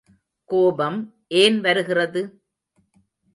கோபம் ஏன் வருகிறது?